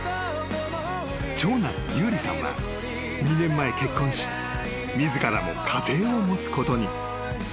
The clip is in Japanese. ［長男の勇梨さんは２年前結婚し自らも家庭を持つことに］